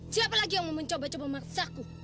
siapa lagi yang mau mencoba coba memaksaku